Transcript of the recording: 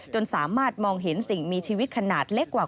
สามารถมองเห็นสิ่งมีชีวิตขนาดเล็กกว่า